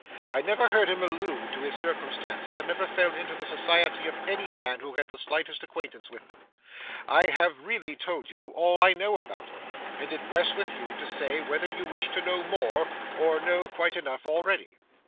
I never heard him allude to his circumstances, and never fell into the society of any man who had the slightest acquaintance with them. I have really told you all I know about him, and it rests with you to say whether you wish to know more, or know quite enough already.